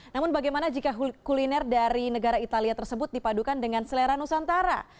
namun bagaimana jika kuliner dari negara italia tersebut dipadukan dengan selera nusantara